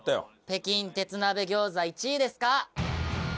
北京鉄鍋餃子１位ですか？